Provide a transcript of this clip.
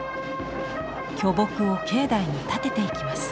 巨木を境内に立てていきます。